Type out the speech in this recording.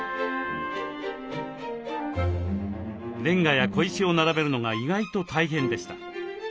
レンガや小石を並べるのが意外と大変でした。